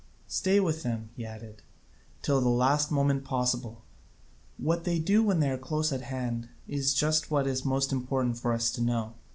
Stay with them," he added, "till the last moment possible: what they do when they are close at hand is just what is most important for us to know.